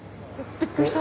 びっくりした！